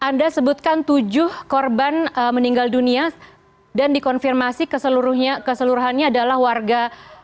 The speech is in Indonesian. anda sebutkan tujuh korban meninggal dunia dan dikonfirmasi keseluruhannya adalah warga